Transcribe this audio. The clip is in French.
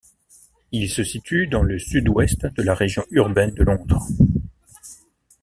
Il se situe dans le sud-ouest de la Région urbaine de Londres.